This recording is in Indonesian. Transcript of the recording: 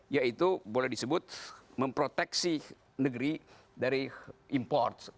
yaitu boleh disebut memproteksi negeri dari import